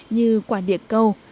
như quả địa câu